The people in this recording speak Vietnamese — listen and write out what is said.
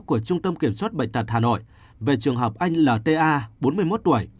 của trung tâm kiểm soát bệnh tật hà nội về trường hợp anh lta bốn mươi một tuổi